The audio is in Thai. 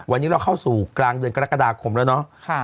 วันนี้เราเข้าสู่กลางเดือนกรกฎาคมแล้วเนาะ